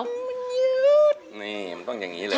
มันยืดนี่มันต้องอย่างนี้เลย